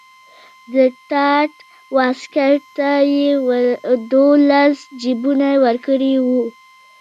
د ټاټ واسکټ ته یې دولس جیبونه ورکړي وو.